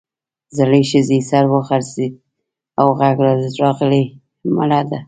زړې ښځې سر وځړېد او غږ راغی مړه ده.